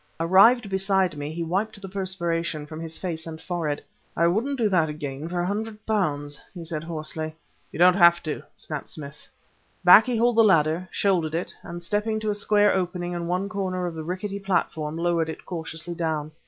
Arrived beside me, he wiped the perspiration from his face and forehead. "I wouldn't do it again for a hundred pounds!" he said hoarsely. "You don't have to!" snapped Smith. Back he hauled the ladder, shouldered it, and stepping to a square opening in one corner of the rickety platform, lowered it cautiously down.